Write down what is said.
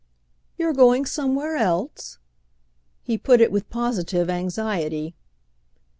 "You're going somewhere else?" he put it with positive anxiety.